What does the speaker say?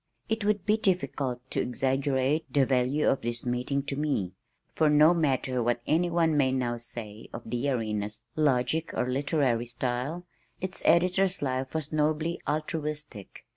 It would be difficult to exaggerate the value of this meeting to me, for no matter what anyone may now say of the Arena's logic or literary style, its editor's life was nobly altruistic.